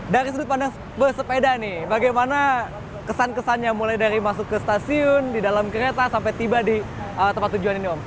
dari sudut pandang bersepeda nih bagaimana kesan kesannya mulai dari masuk ke stasiun di dalam kereta sampai tiba di tempat tujuan ini om